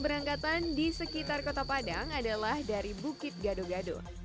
keberangkatan di sekitar kota padang adalah dari bukit gado gado